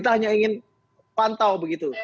jadi kami ini pantau begitu